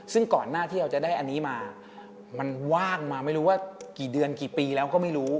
ซึ่งก่อนหน้าที่เราจะได้อันนี้มามันว่างมาไม่รู้ว่ากี่เดือนกี่ปีแล้วก็ไม่รู้